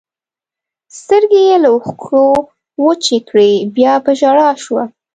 سترګې یې له اوښکو وچې کړې، بیا په ژړا شوه.